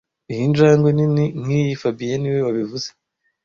Iyi njangwe nini nkiyi fabien niwe wabivuze